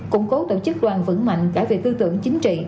củng cố tổ chức đoàn vững mạnh cả về tư tưởng chính trị